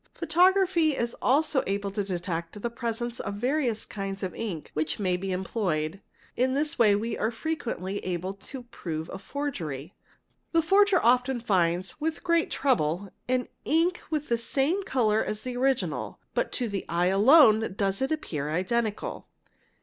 Photography is also able to detect the presence of various kinds of ink which may have been employed; in this way we are frequently able to prove a forgery. The forger often finds (with great trouble) an inl with the same colour as the original but to the eye alone does it appear identical.